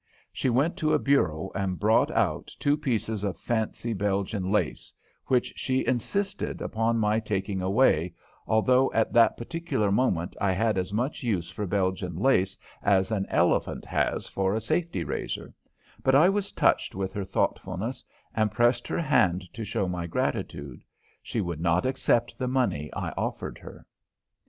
She went to a bureau and brought out two pieces of fancy Belgian lace, which she insisted upon my taking away, although at that particular moment I had as much use for Belgian lace as an elephant has for a safety razor, but I was touched with her thoughtfulness and pressed her hand to show my gratitude. She would not accept the money I offered her.